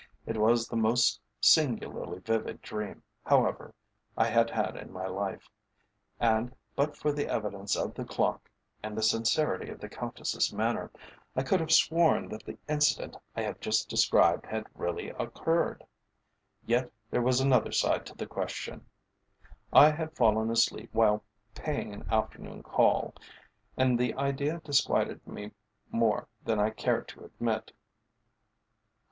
It was the most singularly vivid dream, however, I had had in my life, and, but for the evidence of the clock, and the sincerity of the Countess's manner, I could have sworn that the incident I have just described had really occurred. Yet there was another side to the question. I had fallen asleep while paying an afternoon call, and the idea disquieted me more than I cared to admit.